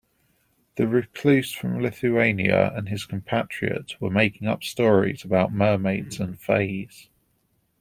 The recluse from Lithuania and his compatriot were making up stories about mermaids and fays.